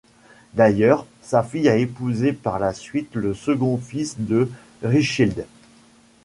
D'ailleurs, sa fille a épousé par la suite le second fils de Richilde.